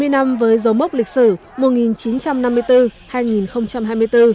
sáu mươi năm với dấu mốc lịch sử mùa một nghìn chín trăm năm mươi bốn hai nghìn hai mươi bốn